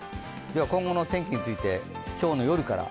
今後の天気について今日の夜から。